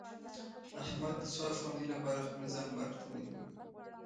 احمد د څو افغانیو لپاره خپل ځان مرګ ته ونیولو.